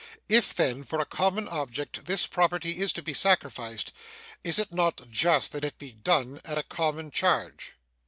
If, then, for a common object this property is to be sacrificed, is it not just that it be done at a common charge?